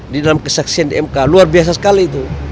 di dalam kesaksian di mk luar biasa sekali itu